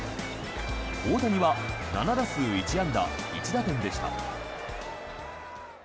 大谷は７打数１安打１打点でした。